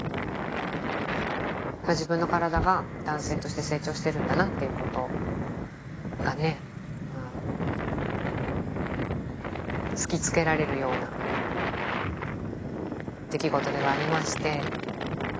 自分の体が男性として成長してるんだなっていうことがね突きつけられるような出来事ではありまして。